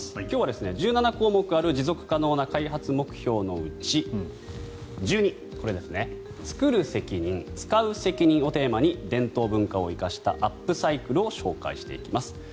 今日は１７項目ある持続可能な開発目標のうち「１２つくる責任つかう責任」をテーマに伝統文化を生かしたアップサイクルを紹介していきます。